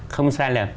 không sai lầm